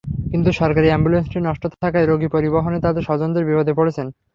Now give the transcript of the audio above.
কিন্তু সরকারি অ্যাম্বুলেন্সটি নষ্ট থাকায় রোগী পরিবহনে তাঁদের স্বজনেরা বিপদে পড়ছেন।